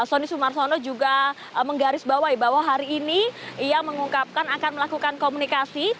sony sumarsono juga menggaris bawah bahwa hari ini ia mengungkapkan akan melakukan komunikasi